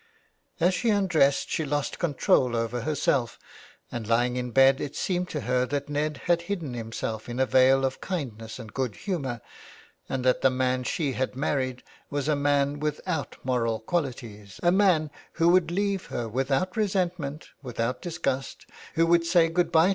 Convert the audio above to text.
As she undressed she lost control over herself, and lying in bed it seemed to her that Ned had hidden himself in a veil of kindness and good humour, and that the man she had married was a man without moral qualities, a man who would leave her without resentment, without disgust, who would say good bye 354 THE WILD GOOSE.